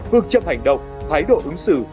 phương chấp hành động thái độ ứng xử